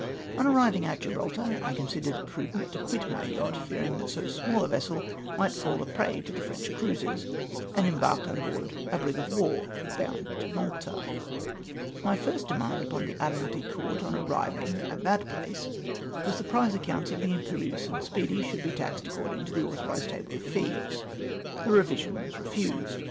On arrivmg at Gibraltar I considered it prudent to quit my yacht, fearing that so small a vessel might fall 170 MY VISIT TO MALTA. a prey to the French cruisers, and embarked on board a briQ: of war bound to Malta. My first demand upon tlie Admiralty Court on ar riving at that place was, that the prize accounts of the Imperieiise and Speedy should be taxed according to the authorised table of fees. This revision was refused.